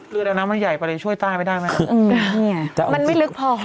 เลือดน้ำมันใหญ่ไปเลยช่วยตายไม่ได้ไหม